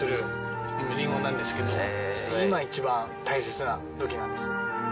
今一番大切な時なんです。